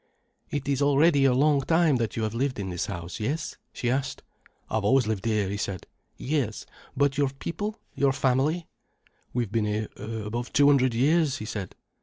"It is already a long time that you have lived in this house—yes?" she asked. "I've always lived here," he said. "Yes—but your people—your family?" "We've been here above two hundred years," he said.